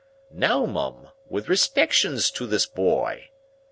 Now, Mum, with respections to this boy!"